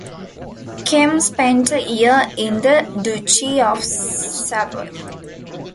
Cem spent a year in the Duchy of Savoy.